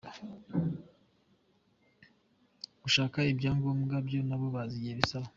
Gushaka ibyangombwa byo na bo bazi igihe bisaba”.